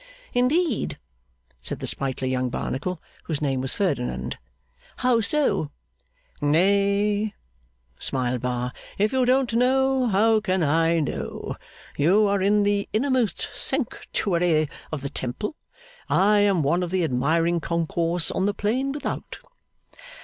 'Indeed,' said the sprightly young Barnacle, whose name was Ferdinand; 'how so?' 'Nay,' smiled Bar. 'If you don't know, how can I know? You are in the innermost sanctuary of the temple; I am one of the admiring concourse on the plain without.